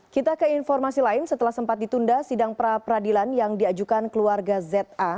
kita ke informasi lain setelah sempat ditunda sidang pra peradilan yang diajukan keluarga za